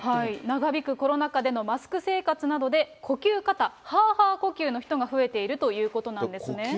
長引くコロナ禍でのマスク生活などで呼吸過多、ハァハァ呼吸の方が増えているということなんですね。